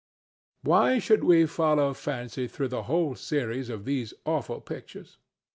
Why should we follow Fancy through the whole series of those awful pictures?